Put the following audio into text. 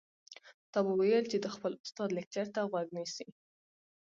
تا به ويل چې د خپل استاد لکچر ته غوږ نیسي.